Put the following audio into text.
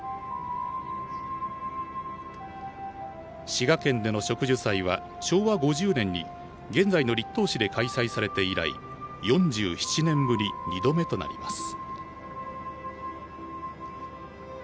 滋賀県での植樹祭は昭和５０年に現在の栗東市で開催されて以来４７年ぶり２度目となります。